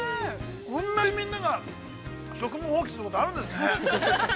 ◆こんなにみんなが、職務放棄することあるんですね。